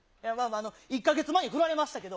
１か月前に振られましたけど。